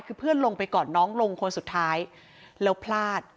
คือเพื่อนลงไปกอดน้องลงคนสุดท้ายแล้วพลาด